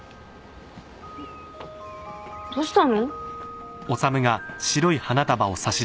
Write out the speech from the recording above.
どしたの？